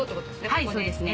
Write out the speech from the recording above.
はいそうですね